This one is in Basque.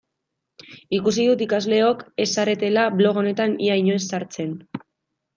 Ikusi dut ikasleok ez zaretela blog honetan ia inoiz sartzen.